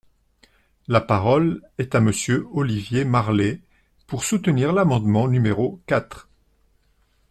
La parole est à Monsieur Olivier Marleix, pour soutenir l’amendement numéro quatre.